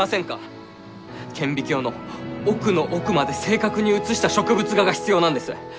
顕微鏡の奥の奥まで正確に写した植物画が必要なんです！